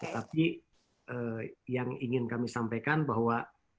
tapi yang ingin kami sampaikan bahwa